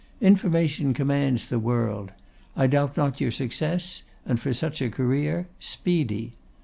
Information commands the world. I doubt not your success, and for such a career, speedy.